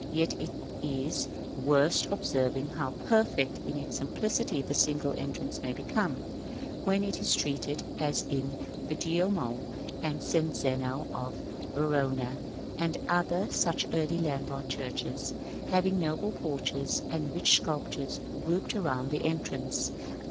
Yet it is worth observing how perfect in its simplicity the single entrance may become, when it is treated as in the Duomo and St. Zeno of Verona, and other such early Lombard churches, having noble porches, and rich sculptures grouped around the entrance.